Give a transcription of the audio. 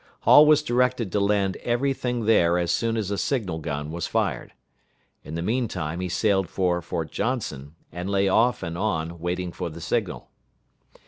Hall was directed to land every thing there as soon as a signal gun was fired. In the mean time he sailed for Fort Johnson, and lay off and on, waiting for the signal.